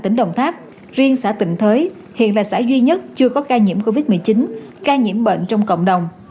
tỉnh đồng tháp riêng xã tịnh thới hiện là xã duy nhất chưa có ca nhiễm covid một mươi chín ca nhiễm bệnh trong cộng đồng